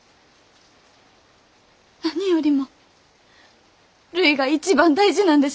何よりもるいが一番大事なんです。